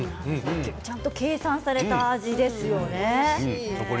ちゃんと計算された味ですよね。